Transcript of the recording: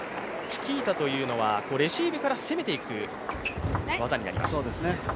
チキータというのはレシーブから攻めていく技になります。